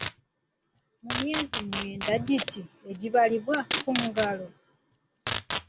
Mu myezi mwenda giti egibalibwa ku ngalo?